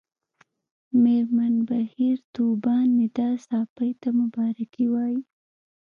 مېرمن بهیر طوبا ندا ساپۍ ته مبارکي وايي